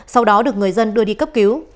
sau đó được người dân đưa đi cấp cứu